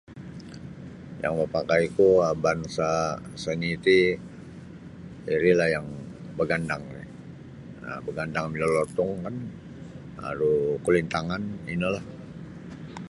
Yang mapakaiku um bansa' seni ti irilah yang bagandang ri um bagandang milolotung kan aru kulintangan inolah.